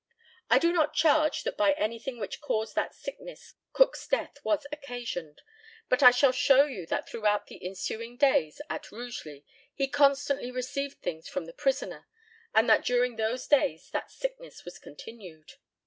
I do not charge that by anything which caused that sickness Cook's death was occasioned; but I shall show you that throughout the ensuing days at Rugeley he constantly received things from the prisoner, and that during those days that sickness was continued.